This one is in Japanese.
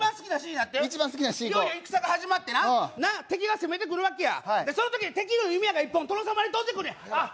いよいよ戦が始まってな敵が攻めてくるわけやその時に敵の弓矢が１本殿様に飛んでくるやんあっ